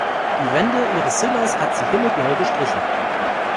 Die Wände ihres Zimmers hat sie himmelblau gestrichen.